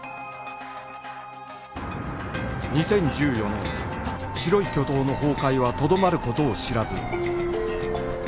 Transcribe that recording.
２０１４年白い巨塔の崩壊はとどまる事を知らず